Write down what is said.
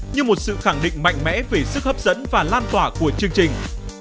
như một sự khẳng định mạnh mẽ về sức hấp dẫn và lan tỏa của chương trình